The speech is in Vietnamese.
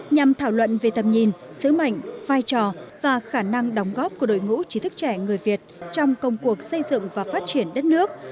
nhằm thảo luận về tầm nhìn sứ mệnh vai trò và khả năng đóng góp của đội ngũ trí thức trẻ người việt trong công cuộc xây dựng và phát triển đất nước